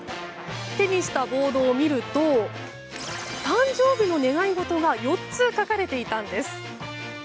手にしたボードを見ると誕生日の願い事が４つ書かれていたんです。